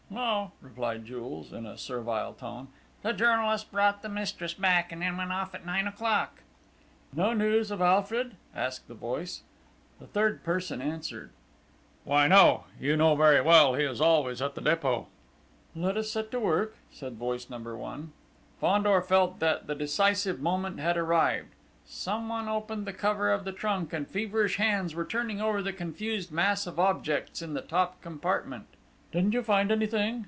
"No," replied Jules in a servile tone. "The journalist brought the mistress back and then went off at nine o'clock...." "No news of Alfred?" asked the voice. The third person answered: "Why, no. You know very well he is always at the Dépôt." "Let us set to work!" said voice number one. Fandor felt that the decisive moment had arrived: someone opened the cover of the trunk and feverish hands were turning over the confused mass of objects in the top compartment. "Didn't you find anything?"